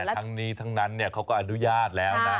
ทั้งนี้ทั้งนั้นเขาก็อนุญาตแล้วนะ